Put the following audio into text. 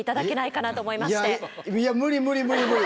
いや無理無理無理無理。